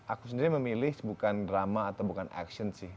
aku sendiri memilih bukan drama atau bukan action sih